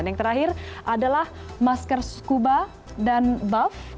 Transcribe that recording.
dan yang terakhir adalah masker scuba dan buff